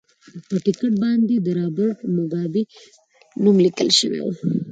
د ټکټ باندې د رابرټ موګابي نوم لیکل شوی و.